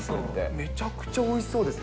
めちゃくちゃおいしそうですね。